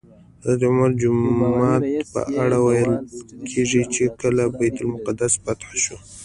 د حضرت عمر جومات په اړه ویل کېږي چې کله بیت المقدس فتح شو.